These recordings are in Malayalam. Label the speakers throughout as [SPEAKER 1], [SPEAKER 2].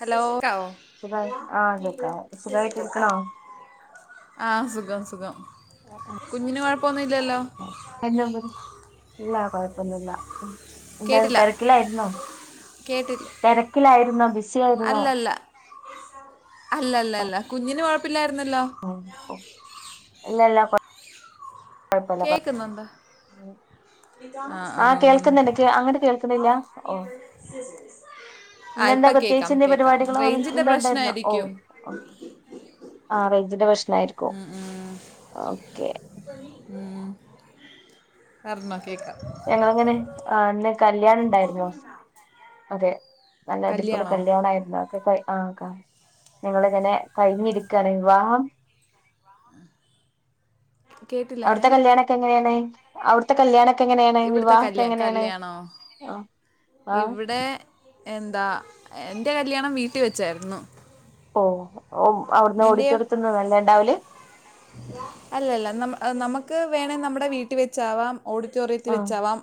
[SPEAKER 1] ഹലോ ക്കവൊ
[SPEAKER 2] സുഖായി ആഹ് കേക്കാം സുഖായിട്ടിരിക്കണോ
[SPEAKER 1] [unintelligible] ആ സു സുഖം സുഖം കുഞ്ഞിന് കൊ [unintelligible]
[SPEAKER 2] [unintelligible] ല്ല കോഴ- ഒന്നുല്ല എന്താര്ന്ന്
[SPEAKER 1] കേട്ടില്ല
[SPEAKER 2] തെരക്കിലായിരുന്നോ
[SPEAKER 1] കേട്ടില്ല
[SPEAKER 2] തെരക്കിലായിരുന്നോ ബിസി ആയിരുന്നോ
[SPEAKER 1] അല്ലല്ല അല്ലല്ല അല്ല കുഞ്ഞിന് കൊഴപ്പില്ലാര് [unintelligible]
[SPEAKER 2] ഇല്ലെല്ലപ്പൊ
[SPEAKER 1] കേക്കുന്നുണ്ടോ ആ
[SPEAKER 2] ആഹ്
[SPEAKER 1] ആം
[SPEAKER 2] കേൾക്കുന്നുണ്ട് കേ അങ്ങട്ട് കേൾക്കുന്നില്ല ഓ
[SPEAKER 1] [unintelligible]
[SPEAKER 2] ഇന്നെന്താ പ്രത്യേകിച്ച് എന്തെ പരിപാടികളോ വ
[SPEAKER 1] റേഞ്ചിൻ്റെ
[SPEAKER 2] ന്താണ്ടായിരുന്നോ ഓ
[SPEAKER 1] പ്രശ്നമായിരിക്കും
[SPEAKER 2] ആ റേ ഞ്ചിന്റെ പ്രശ് ഫ്ലൈറ്റ് ഗോ
[SPEAKER 1] ഉം,
[SPEAKER 2] ഓക്കെ
[SPEAKER 1] ഊ പറഞ്ഞോ കേക്കാ
[SPEAKER 2] ഞങ്ങള്ങ്ങനെ ആ ന്ന് കല്യാണണ്ടാരുന്നു അതെ നല്ല അടിപൊളി
[SPEAKER 1] കല്യാണോ
[SPEAKER 2] കല്യാണാരുന്നു അതൊക്കെ കയ് ആ ക്ക ഞങ്ങളിങ്ങനെ കയിഞ്ഞിരിക്കയാണെ വാം
[SPEAKER 1] കേട്ടില്ല
[SPEAKER 2] അവിടുത്തെ
[SPEAKER 1] ഞാൻ
[SPEAKER 2] കല്യാണെക്കെ എങ്ങനേണ് അവിടുത്തെ കല്യാണ ത്തെങ്ങനെയാണ്
[SPEAKER 1] ഇവിടുത്തെ
[SPEAKER 2] വിവാഹൊക്കെ
[SPEAKER 1] കല്യാ
[SPEAKER 2] എങ്ങനെയാണ്
[SPEAKER 1] കല്യാണോ
[SPEAKER 2] ആ ആ
[SPEAKER 1] ഇവിടെ എന്താ എന്റെ കല്യാണം വീട്ടി വെച്ചായിരുന്നു
[SPEAKER 2] ഓ ഓ അവിടുന്ന്
[SPEAKER 1] നിൻ്റെയോ
[SPEAKER 2] ഓടിറ്റോറിയത്തിന്ന് വരലെണ്ടാവില്
[SPEAKER 1] നമ്മക്ക് വേണേ നമ്മടെ വീട്ടിവെച്ചാവാം അ ഓഡിറ്റോറിയത്തിൽ
[SPEAKER 2] ആ
[SPEAKER 1] വച്ചാവാം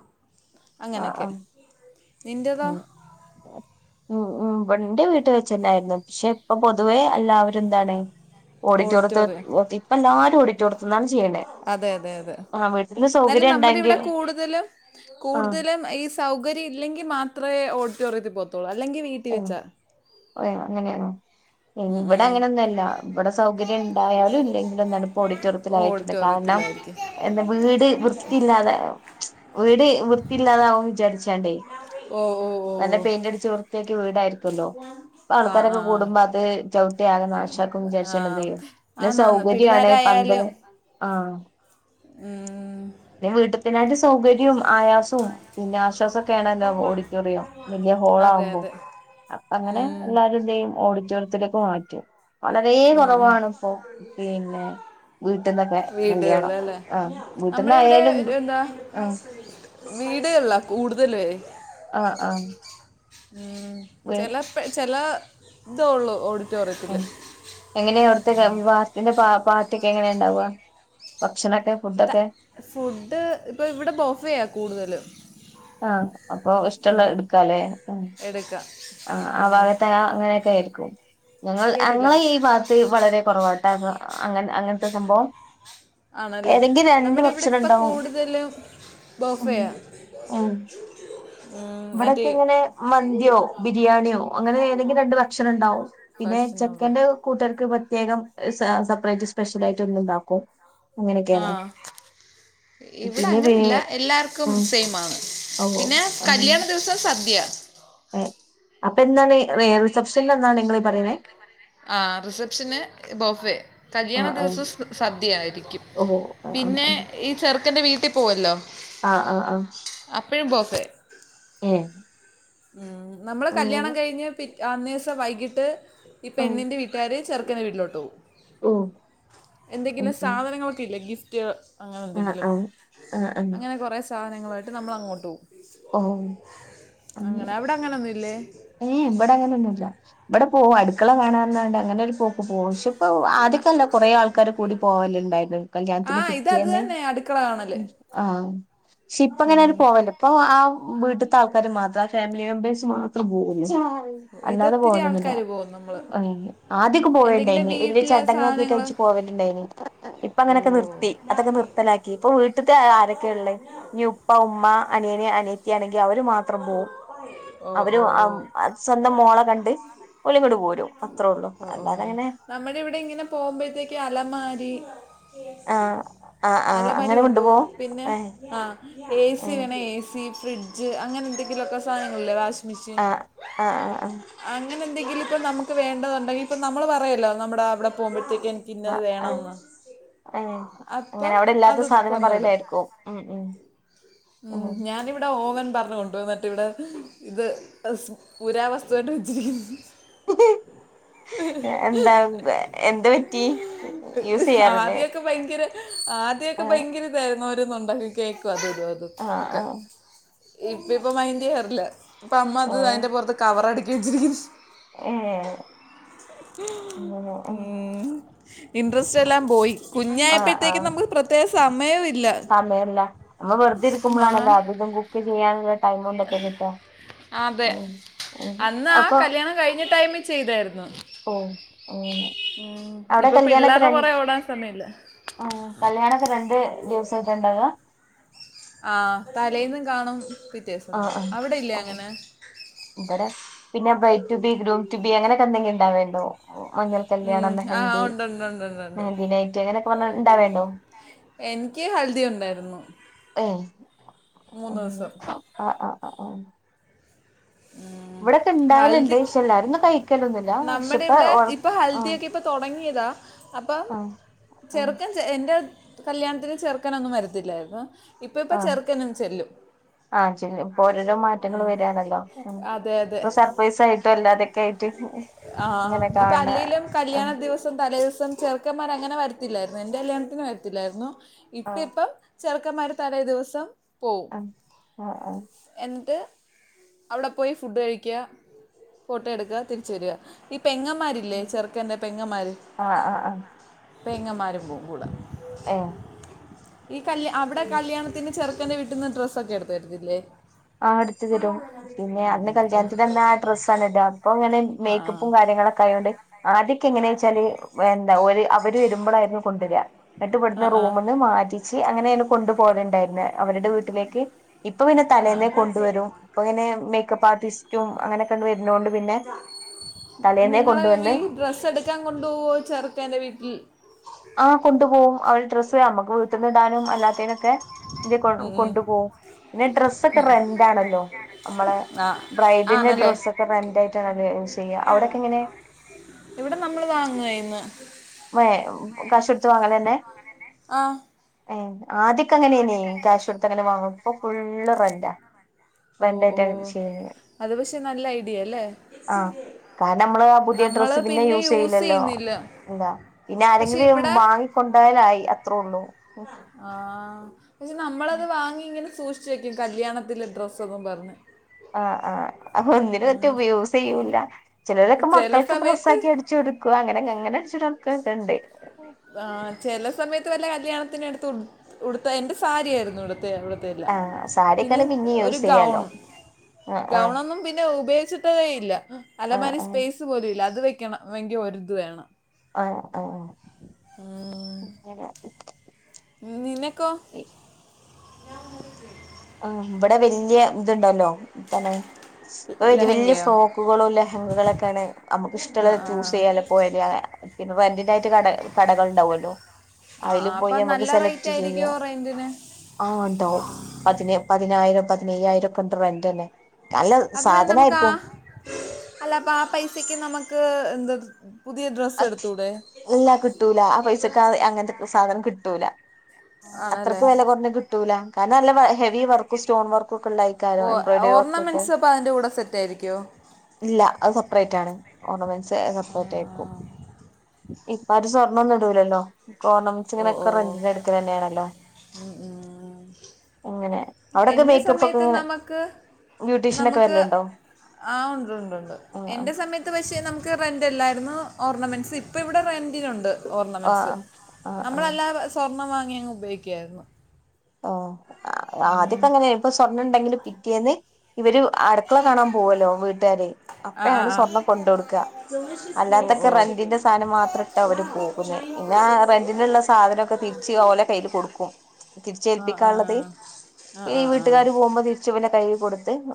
[SPEAKER 2] ആ ആ
[SPEAKER 1] അങ്ങനൊക്കെ
[SPEAKER 2] ഉം ഉം ഇന്റെ വീട്ടി വെച്ചന്നായിരുന്നു ഷെ ഇപ്പൊ പൊതുവേ എല്ലാവരും ന്താണ് ഓഡിറ്റോറിയത്തി
[SPEAKER 1] ഓഡിറ്റോറിയം
[SPEAKER 2] വ ഇപ്പ എല്ലാവരും ഓഡി ട്ടോറി
[SPEAKER 1] അതെ അതെ അതെ
[SPEAKER 2] വീട്ടില്
[SPEAKER 1] ന്നാലും
[SPEAKER 2] സൗകര്യം
[SPEAKER 1] നമ്മുടെ ഇവിടെ
[SPEAKER 2] ഉണ്ടെങ്കിൽ
[SPEAKER 1] കൂടുതലും
[SPEAKER 2] ആ
[SPEAKER 1] കൂടുതലും ഈ സൗകര്യം ഇല്ലെങ്കിൽ മാത് ത്രേ ഓഡിറ്റോറിയത്തി പോത്തോള്ളു ല്ലെങ്കിൽ വീട്ടി വെച്ചാ
[SPEAKER 2] അതെയോ അങ്ങനെയാണോ ഉം ഇവടങ്ങനൊന്നല്ല ഇവിടെ സൗകര്യണ്ടായാലും ഇല്ലെങ്കിലും എന്താണ് ഇപ്പൊ ഓഡിറ്റോറിത്തിലാ വെക്കുന്നെ കാരണം
[SPEAKER 1] ഓഡിറ്റോറിയത്തിലായിരിക്കും
[SPEAKER 2] എന്താ വീട് വൃത്തില്ലാതെ വീട് വൃത്തിയില്ലാതാകു വിചാരി ചാണ്ടേ
[SPEAKER 1] ഓ ഓ ഓ ഓ
[SPEAKER 2] തക്കു വീടാരി ക്കൊലോ പ്പ
[SPEAKER 1] ആ ആ
[SPEAKER 2] ആൾക്കൊരൊക്കെ കൂടുമ്പോ അത് ചവിട്ടിയാകെ നാശാക്കുംന്ന്
[SPEAKER 1] ആ
[SPEAKER 2] വിചാരിച്ചാണ്ട് എന്ത് ചെയ്യും നെ
[SPEAKER 1] ആന്നാന്ന്
[SPEAKER 2] സൗകര്യൊവാണ് പന്തല്
[SPEAKER 1] പിള്ളേരായാലും
[SPEAKER 2] ആഹ്
[SPEAKER 1] ഉം
[SPEAKER 2] നാട്ട് സൗകര്യം ആയാസും പിന്നെ ആശ്വാസൊക്കെ ആണല്ലോ ഓഡിറ്റോറിയം വലിയ
[SPEAKER 1] അതെ
[SPEAKER 2] ഹോളാകുമ്പം
[SPEAKER 1] അതെ
[SPEAKER 2] ആ അപ്പ അങ്ങനെ
[SPEAKER 1] ഉം,
[SPEAKER 2] എല്ലാരുന്തെയ്യും ഓഡിറ്റോറിയത്തിലേക്ക് മാറ്റും വളരെ
[SPEAKER 1] ഉം, ഉം.
[SPEAKER 2] കുറവാണ് ഇപ്പൊ പിന്നെ വീട്ടിൽന്നൊക്കെ കല്യാണം
[SPEAKER 1] വീടുകളിലല്ലേ
[SPEAKER 2] ആ വീട്ടിൽന്നയാലും ആ
[SPEAKER 1] വീടല്ലേ കൂടുതലും
[SPEAKER 2] ആഹ് ആഹ്
[SPEAKER 1] [unintelligible]
[SPEAKER 2] വേ
[SPEAKER 1] ചെലപ്പെ ചയല ഇത ഒള്ളൂ ഓടു
[SPEAKER 2] ഉം
[SPEAKER 1] റ്റോറിയത്തില്
[SPEAKER 2] എങ്ങനെയാ അവിടുത്തെ വിവാഹത്തിന്റെ പാ പാട്ടൊക്കെ എങ്ങനെയ ഇണ്ടാവ
[SPEAKER 1] ത ഫുഡ് ഇപ്പൊ ഇവിടെ ബോഫയാ കൂടുതല്
[SPEAKER 2] ആ അപ്പൊ ഇഷ്ടള്ള എടുക്കാലേ ഉം
[SPEAKER 1] എടുക്കാം
[SPEAKER 2] ആ ആ
[SPEAKER 1] ഉം.
[SPEAKER 2] ഭാഗത്തെ അങ്ങനെയൊക്കെ ആയിരി ക്കും ഞങ്ങൾ
[SPEAKER 1] കേട്ടില്ല
[SPEAKER 2] അങ്ങളെ ഈ ഭാത്ത് വളരെ കൊറവാൺ അതൊ അങ്ങ അങ്ങനത്തെ സംഭവം
[SPEAKER 1] ആണല്ലേ
[SPEAKER 2] ഏതെങ്കിലും രണ്ട്
[SPEAKER 1] നമ്മുടെ ഇവിടെ
[SPEAKER 2] ഭക്ഷണം
[SPEAKER 1] ഇപ്പ
[SPEAKER 2] ഉണ്ടാവും
[SPEAKER 1] കൂടുതലും ബോഫയാ [inaudible] മറ്റേ
[SPEAKER 2] ഇവിടൊക്കെങ്ങനെ മന്തിയോ ബിരിയാണിയോ അങ്ങനെ ഏതെങ്കിൽ രണ്ട് ഭക്ഷണം ണ്ടാവും പിന്നെ
[SPEAKER 1] ഭക്ഷണമുള്ള
[SPEAKER 2] ചെക്കന്റെ കൂട്ടുകർക്ക് പ ത്യേകം എസ സെപ്പറേറ്റ് സ്പെഷ്യൽ ആയിട്ട് ഒന്നുണ്ടാക്കും
[SPEAKER 1] ആ
[SPEAKER 2] അങ്ങനെയൊക്കെയാണ്
[SPEAKER 1] ഇവിടെ
[SPEAKER 2] പിന്നെ വേ
[SPEAKER 1] അങ്ങനല്ല എല്ലാർക്കും
[SPEAKER 2] ഉം
[SPEAKER 1] സെയിം ആണ്
[SPEAKER 2] ഓ
[SPEAKER 1] പിന്നെ കല്യാണ ദിവസം സ അദ്യ
[SPEAKER 2] ഏ അപ്പെന്നാണ് എ റിസപ്ഷൻ എന്നാണ് നിങ്ങളീ പറയണേ
[SPEAKER 1] ആ റിസപ്ഷന് ബൊഫേ കല്യാണ
[SPEAKER 2] ആഹ് ആഹ്
[SPEAKER 1] ദിവസം സ് സദ്യയായിരിക്കും
[SPEAKER 2] ഓ ആഹ് ആഹ്
[SPEAKER 1] പിന്നെ ഈ ചെറുക്കന്റെ വീട്ടിൽ പോവല്ലോ
[SPEAKER 2] ആഹ് ആഹ് ആഹ്
[SPEAKER 1] അപ്പെഴും ബൊഫെ
[SPEAKER 2] ഏ
[SPEAKER 1] മ്മ് നമ്മള് കല്യാണം കഴിഞ്ഞ് പി അന്നേസം വൈകിട്ട് യ ഈ
[SPEAKER 2] ആഹ്
[SPEAKER 1] പെണ്ണിന്റെ വീട്ടുകാര് ചെറുക്കന്റെ വീട്ടിലോട്ട് പോവും
[SPEAKER 2] ഓ ഉം
[SPEAKER 1] എന്തെങ്കിലും
[SPEAKER 2] ഉം
[SPEAKER 1] സാധനങ്ങളൊക്കെ ഇല്ല ഗിഫ് ത്യോ
[SPEAKER 2] ആഹ്
[SPEAKER 1] അങ്ങനെന്തെങ്കിലും
[SPEAKER 2] ആഹ് ആഹ് ആഹ്
[SPEAKER 1] അങ്ങനെ കുറേ സ് താധനങ്ങളായിട്ട് നമ്മൾ അങ്ങോട്ട് പോവും
[SPEAKER 2] ഓ
[SPEAKER 1] അങ്ങനെ അവിടങ്ങനൊന്നും ഇൽ ഏ
[SPEAKER 2] ഏയ് ഇബടങ്ങനൊന്നും ഇല്ല ബട് ക്കെ പോവും അടുക്കള കാണാൻറഞ്ഞാണ്ട് അങ്ങനെ ഒരു പോക്ക് പോകു ശോ ഔ ആദ്യക്കല്ലേ കൊറേ ആൾക്കാര് കൂടി പോവല്ണ്ടായത്
[SPEAKER 1] ആ
[SPEAKER 2] കല്യാണത്തിന്
[SPEAKER 1] ഇത് അത്
[SPEAKER 2] പിറ്റേന്ന്
[SPEAKER 1] തന്നെ അടുക്കള കാണല്
[SPEAKER 2] ആ
[SPEAKER 1] ഉം.
[SPEAKER 2] ശ്ശിപ്പങ്ങനെ ആരും പോവല്ല ഇപ്പൊ ആ വീട്ടത്തെ ആൾക്കര് മാത്രം ആ ഫാമിലി മെമ്പേഴ്സ് [inaudible] [unintelligible] അൽ അല്ലാതെ
[SPEAKER 1] ഇതൊത്തിരി
[SPEAKER 2] പോവലൊന്നൂല്ല
[SPEAKER 1] ആൾക്കാർ പോകും നമ്മൾ
[SPEAKER 2] അയ്ല് ആദ്യക്കെ
[SPEAKER 1] എന്തെങ്കിലും
[SPEAKER 2] പോയല്ണ്ടായിനി വലിയ
[SPEAKER 1] വീട്ടിലെ
[SPEAKER 2] ചടങ്ങൊക്കിട്ട്
[SPEAKER 1] സാധനങ്ങൾ
[SPEAKER 2] കഴ്ച്പോവലുണ്ടായിനി ഇപ്പ അങ്ങനൊക്കെ
[SPEAKER 1] ഓ
[SPEAKER 2] നിർത്തി അതൊക്കെ നിർത്തലാക്കി ഇപ്പൊ വീട്ട ട്ട്ത്തെ ആരൊക്കെ ഉള്ളേ ഇനി ഉപ്പ ഉമ്മ അനിയനെ അനിയത്തിയാണ്
[SPEAKER 1] ഓ
[SPEAKER 2] ഒരു
[SPEAKER 1] ഓ
[SPEAKER 2] അം സ്വന്തം മോള കണ്ട് ഒളിങ്ങ്ട് പോരും അത്ര ഒള്ളു
[SPEAKER 1] ഓ ഓ
[SPEAKER 2] അല്ലാതെങ്ങനെ
[SPEAKER 1] നമ്മുടെ ഇവിടെ ഇങ്ങനെ പോകുമ്പോഴത്തേക്ക് അലമാരി അലമാരി
[SPEAKER 2] അങ്ങനെ
[SPEAKER 1] ഉണ്ടോം
[SPEAKER 2] കൊണ്ടുപോകും
[SPEAKER 1] പിന്നെ
[SPEAKER 2] ഏ
[SPEAKER 1] ആ
[SPEAKER 2] ഏ
[SPEAKER 1] ഏസി വേണെ ഏസി ഫ്രിഡ്ജ് അ ങ്ങനെന്തെങ്കിലൊക്കെ സാനങ്ങളില്ലേ വാഷ്
[SPEAKER 2] ആഹ് ആഹ് ആഹ്
[SPEAKER 1] അങ്ങനെന്തെങ്കിലിപ്പോ നമുക്ക്‌ വേണ്ടതുണ്ടെങ്കിപ്പൊ നമ്മള് പറയല്ലോ നമ്മടെ അവിടെ പോവുമ്പഴത്തേ
[SPEAKER 2] ആ ആ ഏ അങ്ങനെ
[SPEAKER 1] അപ്പം
[SPEAKER 2] അവിടെ ഇല്ലാത്ത
[SPEAKER 1] അത്
[SPEAKER 2] സാധനം
[SPEAKER 1] തന്നുവിടും
[SPEAKER 2] പറേല്ലായിരിക്കും ഉം ഉം
[SPEAKER 1] ഉം ഞാനിവിട ഓവൻ പറഞ്ഞ് കൊണ്ട് വന്നിട്ട് ഇവിടെ ഇത് സ് പുരാവസ്തുവായിട്ട് വെച്ചിരിക്ക്
[SPEAKER 2] എന്താ എന്ത് പറ്റി യൂസ്
[SPEAKER 1] ആ
[SPEAKER 2] ചെയ്യാറില്ലേ
[SPEAKER 1] ആദ്യൊക്കെ ഭയങ്കര ആദ്യൊക്കെ
[SPEAKER 2] ആഹ്
[SPEAKER 1] ഭയങ്കര ഇതായിരുന്നു ഒ ക്ക്ന്ന്ണ്ടത് കേക്ക് അത് ഇതൊ ഒക്കെ
[SPEAKER 2] ആഹ്
[SPEAKER 1] ഇപ്പ ഇപ്പ മൈൻഡെയ്യാറ് ല്ല ഇപ്പ അമ്മ അത് അയിന്റെ പൊറത്ത് കവറടി [unintelligible]
[SPEAKER 2] ഉം ഏ ഉം
[SPEAKER 1] ഇൻട്രസ്റ്റ് എല്ലാം പോയി
[SPEAKER 2] ആഹ്
[SPEAKER 1] കുഞ്ഞായപ്പഴത്തേക്ക്
[SPEAKER 2] ആഹ്
[SPEAKER 1] നമ്മക്ക് പ്രത്യേക സമയോല്ല
[SPEAKER 2] റ്തിരിക്കുമ്പളാണല്ലോ അതിയിതു കുത്തി ചെയ്യാ ക
[SPEAKER 1] അതെ
[SPEAKER 2] ഉം
[SPEAKER 1] അന്ന് ആ കല്യാണം കഴിഞ്ഞ ടൈമിൽ ചെയ്തായിരുന്നു
[SPEAKER 2] ഓ
[SPEAKER 1] ഉം.
[SPEAKER 2] അവിടെ
[SPEAKER 1] ഇപ്പൊ
[SPEAKER 2] കല്യാണക്കെ
[SPEAKER 1] പിള്ളേരുടെ
[SPEAKER 2] രണ്ട്
[SPEAKER 1] പുറകെ ഓടാൻ സമയമില്ല
[SPEAKER 2] ഉ കല്യാണക്കെ രണ്ട് ദിവസമായിട്ടുണ്ടകാ
[SPEAKER 1] ആ തലേയിന്നും കാണും പിറ്റേ ദിവസവും കാണും അവിടെ ഇല്ലേ അങ്ങനെ-
[SPEAKER 2] ഇവിടെ പിന്നെ bride to be groom to be അങ്ങനെയൊക്കെ എന്തെങ്കിലും ഉണ്ടാവേയുണ്ടോ മഞ്ഞൾ
[SPEAKER 1] ഉം.
[SPEAKER 2] കല്യാണം
[SPEAKER 1] ആ
[SPEAKER 2] മെഹന്തി
[SPEAKER 1] ഉണ്ട് ഉണ്ട് ഉണ്ട് ഉണ്ട് ഉണ്ട്
[SPEAKER 2] ഹെൽദി നൈറ്റ് അങ്ങനെയൊക്കെ പറഞ്ഞ ഇണ്ടാവേണ്ടോ
[SPEAKER 1] എനിക്ക് ഹൽദി ഉണ്ടായിരുന്നു
[SPEAKER 2] ഏ [inaudible]
[SPEAKER 1] മൂന്ന് ദിവസം ഉം.
[SPEAKER 2] ഇവിടൊക്കെ ഇണ്ടാവലുണ്ട്
[SPEAKER 1] ഹൽദി
[SPEAKER 2] ഈശല്ലാരും ഒും കഴിക്കലൊന്നുമില്ല പക്ഷെ
[SPEAKER 1] നമ്മുടെ
[SPEAKER 2] ഇപ്പ
[SPEAKER 1] ഇവിടെ
[SPEAKER 2] ഒറ
[SPEAKER 1] ഇപ്പൊ
[SPEAKER 2] ആഹ്
[SPEAKER 1] ഹൽദിയൊക്കെ ഇപ്പൊ തുടങ്ങിയതാ അപ്പൊ
[SPEAKER 2] ആഹ് ആഹ്
[SPEAKER 1] ചെറുക്കൻ എന്റെ കല്യാണത്തിന് ചേർക്കനൊന്നും വരത്തില്ലായിരുന്നു ഇപ്പൊ ഇപ്പൊ
[SPEAKER 2] ആ
[SPEAKER 1] ചെറുക്കനും ചെല്ലും
[SPEAKER 2] ആഹ ചെല്ലും ഇപ്പൊ ഓരോരോ മാറ്റങ്ങൾ
[SPEAKER 1] ഉം.
[SPEAKER 2] വരണല്ലോ
[SPEAKER 1] അതെ അതെ
[SPEAKER 2] ഇപ്പ സർപ്രൈസ്‌ ആയിട്ടും അല്ലാതൊക്കെ ആയിട്ട്
[SPEAKER 1] ആ
[SPEAKER 2] ഇങ്ങനെ
[SPEAKER 1] ഇപ്പൊ
[SPEAKER 2] കാണണ
[SPEAKER 1] അല്ലെലും കല്യാണ
[SPEAKER 2] ആഹ്
[SPEAKER 1] ദിവസം ത തലേ ദിവസം ചെറുക്കന്മാർ അങ്ങനെ വരത്തില്ലായിരുന്നു എന്റെ കല്യാണത്തിന് വരത്തില്ലായിരുന്നു ഇപ്പ
[SPEAKER 2] ആഹ്
[SPEAKER 1] ഇപ്പം ചെറുക്കമാരു തലേ ദിവസം പോവും
[SPEAKER 2] ആഹ് ആഹ് ആഹ്
[SPEAKER 1] എന്ത് അവിടെ പോയി ഫുഡ്ഡ് കഴിക്കുക ഫോട്ടോ എടുക്കുക തിരിച്ചരുക പെങ്ങമാരില്ലേ ചെറുക്കന്റെറെ പെങ്ങമാര്
[SPEAKER 2] ആഹ് ആഹ് ആഹ്
[SPEAKER 1] പേങ്ങമാരും പോകും കൂടെ ഈ കല് അവിടെ
[SPEAKER 2] ഏഹ്
[SPEAKER 1] കല്യാണത്തിന് ചെറ ക്കന്റെ വീട്ടന്ന് ഡ്രസ്സ്‌ ഒക്കെ എടുത്ത് വരത്തില്ലേ
[SPEAKER 2] ആ അടുത്ത് തരും പിന്നെ അന്ന്കല്യാണത്തിനന്നാ ആ ഡ്രസ്സാണ് ഇടാ അപ്പൊ [unintelligible]
[SPEAKER 1] ആ
[SPEAKER 2] മേക്കപ്പും കാര്യങ്ങളൊക്കെ ആയൊണ്ട് ആദ്യോക്കെങ്ങനേച്ചാൽ എന്താ ഓല് അവര് വരുമ്പളായിരുന്നു കൊണ്ടുവര നട്ട്
[SPEAKER 1] ആ
[SPEAKER 2] ഇവ്ടുന്ന്
[SPEAKER 1] ആ
[SPEAKER 2] റൂമിന്നു മാറ്റിച്ച് അങ്ങനെെ നി കൊണ്ട് പോവലുണ്ടായിരുന്നത് അവരുടെ വീട്ടിലേക്ക് ഇപ്പൊ
[SPEAKER 1] ആ
[SPEAKER 2] തലേന്നെ കൊണ്ട്
[SPEAKER 1] ആ
[SPEAKER 2] വരുംഇപ്പൊ പിന്നെ മേകെപ്പ് ആർട്ടിസ്റ്റും അങ്ങനെ ഒക്കെ വരണോണ്ട് പിന്നെ തലേന്നെകൊണ്ട്
[SPEAKER 1] നിങ്ങളെ
[SPEAKER 2] വന്നു
[SPEAKER 1] ഈ ഡ്രസ്സ് എടുക്കാൻ കൊണ്ടുപോവോ ചെറുക്കൻ്റെ വീട്ടിൽ
[SPEAKER 2] ആ കൊണ്ട് പോകും ആ ഡ്രസ്സ്‌ നമ്മക്ക് വീട്ടിന്നു ഇടാനും അല്ലാത്തിനും ഒക്കെ
[SPEAKER 1] ഉം, ഉം.
[SPEAKER 2] കൊണ്ടു പോകും പിന്നെ ഡ്രസ്സ് ഇപ്പൊക്കെ റെന്റ് ആണല്ലോ നമ്മളെ
[SPEAKER 1] ആ
[SPEAKER 2] ബ്രൈഡിന്റെ
[SPEAKER 1] ആണല്ലേ
[SPEAKER 2] ഡ്രസ്സ് ഒക്കെ റെന്റ് ആയിട്ടാണല്ലോ യൂസ് ചെയ്യ അവിടെക്കെങ്ങനെ
[SPEAKER 1] ഇവിടെ നമ്മൾ വാങ്ങുകയെന്ന്
[SPEAKER 2] കാശ് കൊടുത്തു വാങ്ങലെന്നെ
[SPEAKER 1] ആ
[SPEAKER 2] ഏ ആദ്യ ഒക്കെ അങ്ങനെയ്നീ കാശൊട്ത്തങ്ങനെ വാങ്ങും ഇപ്പൊ ഫുൾ ഫുള്ളു റന്റാ
[SPEAKER 1] ഓ ഓ അത് പക്ഷെ നല്ല ഐഡിയ അല്ലേ?
[SPEAKER 2] ആ കാരണം നമ്മള് ആ പുതിയ
[SPEAKER 1] നമ്മള് പിന്നെ യൂസ് ചെയ്യുന്നില്ല.
[SPEAKER 2] ഇല്ലാ പിന്നെ
[SPEAKER 1] പക്ഷെ
[SPEAKER 2] ആരെങ്കിലും
[SPEAKER 1] ഇവിടെ
[SPEAKER 2] വാങ്ങിക്കൊണ്ടോയാലായി, അത്രേ ഉള്ളൂ.
[SPEAKER 1] ആ നമ്മളത് വാങ്ങി. ഇങ്ങനെ സൂക്ഷിച്ച്‌ വയ്ക്കും കല്യാണത്തിലെ ഡ്രസ്സെന്നും പറഞ്ഞ്
[SPEAKER 2] ആ ആ ഒന്നിനും എത്തു [unintelligible] യൂസെയ്യൂല? ചെലരൊക്കെ
[SPEAKER 1] ചില
[SPEAKER 2] മക്കൾക്ക്
[SPEAKER 1] സമയത്ത്
[SPEAKER 2] ഡ്രസാക്കി അടിച്ചു കൊടുക്കുക. അങ്ങനെ അങ്ങനെ അടിച്ചു കൊടുക്കുക്കെ ഒണ്ട്.
[SPEAKER 1] ത്ത് വല്ല കല്യാണത്തിനും എടുത്തു ഉടുത് ഉടുത്ത എന്റെ സാരിയായിരുന്നു ഉടുത് ത്തെ ഉടുത്തെയെല്ലാം.
[SPEAKER 2] ആഹ്
[SPEAKER 1] പിന്നെ
[SPEAKER 2] സാരിയൊക്കെയാണെ പിന്നേം
[SPEAKER 1] ഒരു
[SPEAKER 2] യൂസ്
[SPEAKER 1] ഗൗൺ
[SPEAKER 2] ചെയ്യാലോ ആഹ് ആഹ്
[SPEAKER 1] ഗൗണൊന്നും പിന്നെ ഉപയോ ച്ചിട്ടേ ഇല്ല.
[SPEAKER 2] ആഹ്
[SPEAKER 1] അലമാരി സ്
[SPEAKER 2] ആഹ്
[SPEAKER 1] പേസ് പോലും ഇല്ല. അത് വെ യ്ക്കണമെങ്കി ഒരിതു വേണം.
[SPEAKER 2] ആ അ
[SPEAKER 1] [unintelligible] നിന ക്കോ ഞാൻ [unintelligible]
[SPEAKER 2] ആ ഇവടെ വല്ല്യ ഇതുണ്ടല്ലോ. വല്ല്യ
[SPEAKER 1] ലെഹങ്കയോ
[SPEAKER 2] ഫ്രോക്കുകളും ലെഹങ്കകളൊക്കാണ് അമ്മക്ക്
[SPEAKER 1] ആ
[SPEAKER 2] ഇഷ്ടള്ളത്
[SPEAKER 1] ആ
[SPEAKER 2] ചൂസ്
[SPEAKER 1] ആ.
[SPEAKER 2] ചെയ്യാലോ [unintelligible] ഇതിനായിട്ട് കട കടകൾ ഉണ്ടാവുല്ലോ?
[SPEAKER 1] ആ
[SPEAKER 2] അയില്
[SPEAKER 1] ആ,
[SPEAKER 2] പോയി
[SPEAKER 1] അപ്പൊ
[SPEAKER 2] ഞമക്ക്
[SPEAKER 1] നല്ല റേറ്റ്
[SPEAKER 2] സെലക്ട്
[SPEAKER 1] ആയിരിക്കുമോ
[SPEAKER 2] ചെയ്യാം.
[SPEAKER 1] റെന്റിന്
[SPEAKER 2] ആ ഒണ്ടാവും. പതിനായിരം പതിനയ്യായിരം ഒക്കെണ്ട് റന്റ്ന്നെ
[SPEAKER 1] അപ്പൊ പിന്നെ നമുക്ക് ആ അല്ല അപ്പൊ ആ പൈസക്ക് നമുക്ക് എന്ത
[SPEAKER 2] അത് ഇല്ലാ കിട്ടൂല ആ പൈസക്ക് അങ്ങനത്തെ സാധനം കിട്ടൂല.
[SPEAKER 1] ആണല്ലേ
[SPEAKER 2] അത്രക്ക് വെല കുറഞ്ഞ കിട്ടൂല. കാരണം നല്ല വ ഹെവി വർക്കും സ്റ്റോൺ വർക്ക് [unintelligible] ഇപ്പ
[SPEAKER 1] ഓ ഓർണമെന്റ്സ് അപ്പൊ അതിന്റെ കൂടെ സെറ്റ് ആയിരിക്കുമോ
[SPEAKER 2] ആരും സ്വർണൊന്നും ഇടൂലല്ലോ. ഓർണമെൻസ് ഇങ്ങനൊക്കെ റെന്റിനെടുക്കലെന്നെണല്ലോ?
[SPEAKER 1] മ് മ്
[SPEAKER 2] അങ്ങനെ അവിടൊക്കെ
[SPEAKER 1] എന്റെ
[SPEAKER 2] മേക്കപ്പ് ഒക്കെ
[SPEAKER 1] സമയത്ത്
[SPEAKER 2] ഇങ്ങനെ
[SPEAKER 1] നമുക്ക്
[SPEAKER 2] ബ്യൂട്ടീഷ്യൻ ഒക്കെ
[SPEAKER 1] നമുക്ക്
[SPEAKER 2] വരലുണ്ടോ
[SPEAKER 1] ആ ഉണ്ട്ണ്ട് ഉണ്ട്.
[SPEAKER 2] ആഹ്
[SPEAKER 1] എന്റെ സമയത്ത് പക്ഷേ നമുക്ക് ക്ക് റെന്റ്ല്ലായിരുന്നു ഓർണമെന്റ്സ് ഇപ്പ ഇവിടെ റെന്റിനൊണ്ട്.
[SPEAKER 2] ആഹ്
[SPEAKER 1] ഓർണമെൻസ്
[SPEAKER 2] ആഹ് ആഹ് ആഹ്
[SPEAKER 1] നമ്മളല്ലാതെ സ്വർണ്ണം വാ അങ് ഉപയോഗിക്കായിരുന്നു
[SPEAKER 2] ആ ആദ്യക്കെ അങ്ങനെയ ഇപ്പൊ സ്വർണ്ണം ഉണ്ടെങ്കിലും പിറ്റേന്ന് ഇവര് അടുക്കള കാണാൻ പോവോലോ വീട്ടാര്
[SPEAKER 1] ആഹ്
[SPEAKER 2] അപ്പഴാണ്
[SPEAKER 1] ആഹ് ആഹ്
[SPEAKER 2] സ്വർണം കൊണ്ട കൊടുക്കുക അല്ലാത്തൊക്കെ റെന്റിന്റെ സാധനം മാത്രം ഇട്ട അവര് പോകും പിന്നെ ആ റെന്റിനുള്ള സാധനോക്കെ തിരിച്ച് ഓലെ കയ്യില് കൊടുക്കും
[SPEAKER 1] ആഹ്
[SPEAKER 2] തിരിച്ചേൽപ്പിക്കാൻള്ളത്
[SPEAKER 1] ആഹ് ആഹ്
[SPEAKER 2] ഈ
[SPEAKER 1] ആഹ് ആഹ്
[SPEAKER 2] വീട്ടുകാര് പോകുമ്പോ തിരിച്ച് ഇവരെ കയ്യിൽ കൊടുത്ത് ത്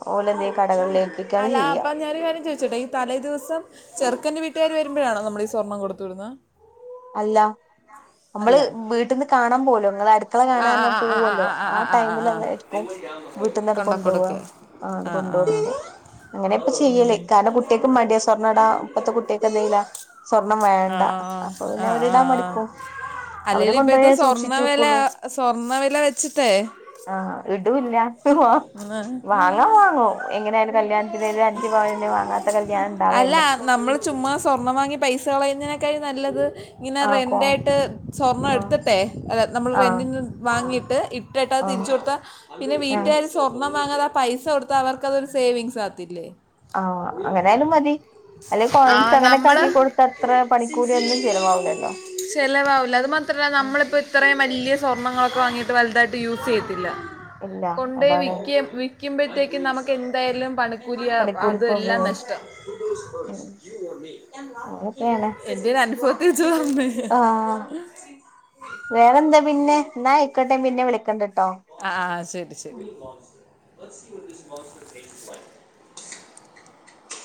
[SPEAKER 1] അല്ല അപ്പ ഞാനൊരൂ കാര്യം ചോയിച്ചോട്ടെ ഈ തലേദിവസം ചെറുക്കന്റെവീട്ട പേര് വരുമ്പോഴാണോ നമ്മൾ ഈ സ്വർണ്ണം കൊടുത്തുവിടുന്നത്.
[SPEAKER 2] അല്ല നമ്മള് വീട്ട്ന്ന് കാണാൻ പോലോ നിങ്ങള് അടുക്കള കാണാൻ
[SPEAKER 1] ആഹ് ആഹ് ആഹ്
[SPEAKER 2] പോവല്ലോ
[SPEAKER 1] ആഹ് ആഹ്
[SPEAKER 2] ആ
[SPEAKER 1] ആഹ് ആഹ് ആഹ് ആഹ് ആഹ്
[SPEAKER 2] ടൈമിൽഅന്നേര്ക്കും വീട്ടന്നങ്
[SPEAKER 1] കൊണ്ട
[SPEAKER 2] കൊണ്ടോവാ
[SPEAKER 1] കൊടുക്ക്
[SPEAKER 2] ആ
[SPEAKER 1] ആഹ് ആഹ്
[SPEAKER 2] കൊണ്ടോടക്കും അങ്ങനെ ഇപ്പ ചെയ്യല് കാരണം കുട്ടെ ക്കും വേണ്ടേ സ്വർണ്ണംടാ ഇപ്പത്തെ കുട്ടെൾക്കെ എന്ദ്ദേയില സ്വർണം വേണ്ട
[SPEAKER 1] ആഹ് ആഹ്
[SPEAKER 2] പിന്ന
[SPEAKER 1] ആഹ്
[SPEAKER 2] അവരിടാ
[SPEAKER 1] ആഹ്
[SPEAKER 2] മടിക്കും അവര്
[SPEAKER 1] അല്ലേലും
[SPEAKER 2] കൊണ്ടോയാ
[SPEAKER 1] ഇപ്പഴത്തെ സ്വർണ്ണ
[SPEAKER 2] സൂക്ഷിച്ചു
[SPEAKER 1] വില
[SPEAKER 2] വെക്കുള്ളൂ
[SPEAKER 1] സ്വർണ്ണ വില വെച്ചിട്ടേ
[SPEAKER 2] ആ ഇടൂല്ല
[SPEAKER 1] ആഹ്
[SPEAKER 2] വാങ്ങാം വാങ്ങും എങ്ങനെയായാലും കല്യാണത്തിന് ഒരു അഞ്ചു പവനെ വാങ്ങാത്ത കല്യാണം ഇണ്ടാവേല്ല
[SPEAKER 1] കളയുന്നതിനേക്കായി നല്ലത് ഇനറെൻ
[SPEAKER 2] കോ
[SPEAKER 1] ഇതായിട്ട് സ്വർണ്ണം
[SPEAKER 2] ആഹ്
[SPEAKER 1] എടുത്തിട്ടെ അല്ല നമ്മൾ
[SPEAKER 2] ആഹ്
[SPEAKER 1] റെന്റിന്ന് വാങ്ങിട് ത് ഇപ്പ് ഇട്ടാ
[SPEAKER 2] ആഹ്
[SPEAKER 1] തിരിച്ച് കൊടുത്താ പിന്നെ
[SPEAKER 2] ആഹ്
[SPEAKER 1] വീട്ടുകാര് സ്വർണ്ണം വാങ്ങാത പൈസ കൊടുത്താ അവർക്ക് അതൊരു സേവിങ്സ് ആത്തില്ലേ
[SPEAKER 2] ആ അങ്ങനായാലും മതി അല്ലെങ്കി
[SPEAKER 1] ആ
[SPEAKER 2] കോയിൻസ് അങ്ങനെക്കെ
[SPEAKER 1] നമ്മള്
[SPEAKER 2] ആക്കി കൊടുത്ത അത്ര പണിക്കൂലിഒന്നും ചെലവാവൂലല്ലോ
[SPEAKER 1] ചെലവാവുല്ല അത് മാത്രല്ല നമ്മളിപ്പോ ഇത്രയും വല്ല്യ അമ്മമാർക്ക് വാങ്ങിയിട്ട് വലുതായിട്ട് യൂസ് ചെയ്യതില്ല
[SPEAKER 2] ഇല്ല
[SPEAKER 1] കൊണ്ടെയി
[SPEAKER 2] അതാണ്
[SPEAKER 1] വിക്കേം വിക് പിക്കുമ്പോത്തേക്കും നമക്ക് എന്തായാലും പണ കുരിയ
[SPEAKER 2] പണിക്കൂലിപ്പോ
[SPEAKER 1] അതെല്ലാം നഷ്ടം
[SPEAKER 2] അങ്ങനൊക്കെയാണ്
[SPEAKER 1] എന്റെ ഒരു അനുഭവം [unintelligible]
[SPEAKER 2] ആ വേറെന്താ പിന്നെ എന്നാ ആയിക്കോട്ടേ പിന്നെ വിളിക്കണ്ട്ട്ടോ
[SPEAKER 1] ആ ആ ശരി ശരി [unintelligible]